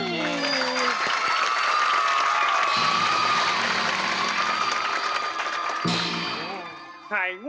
ภูมิสุดท้าย